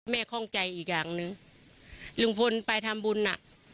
ข้องใจอีกอย่างหนึ่งลุงพลไปทำบุญน่ะ